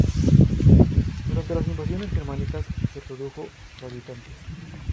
Durante las invasiones germánicas se redujo sus habitantes.